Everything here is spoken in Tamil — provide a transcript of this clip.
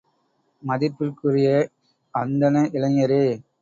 மதிப்பிற்குரிய அந்தண இளைஞரே!